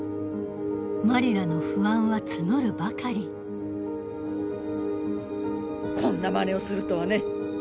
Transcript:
マリラの不安は募るばかりこんなまねをするとはね。